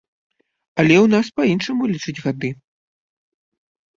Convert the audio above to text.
Але ў нас па-іншаму лічаць гады.